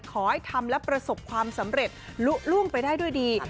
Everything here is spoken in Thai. ขอให้ทำและประสบความสำเร็จลุล่วงไปได้ด้วยดี